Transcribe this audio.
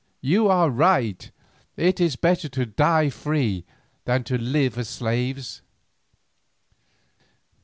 You are right; it is better to die free than to live as slaves."